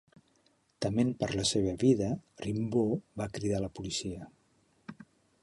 Tement per la seva vida, Rimbaud va cridar la policia.